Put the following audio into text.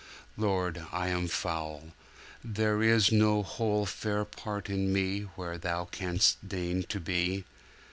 Lord, I am foul: there is no whole Fair part in me Where Thou canst deign to be!